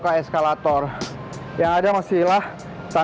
kalau walaupun dia perhatikan